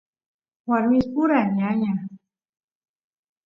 warmispura ñaña